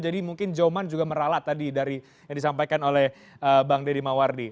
jadi mungkin joman juga meralat tadi dari yang disampaikan oleh bang deddy mawardi